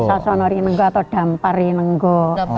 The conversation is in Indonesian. sasono rinengo atau dampari rinengo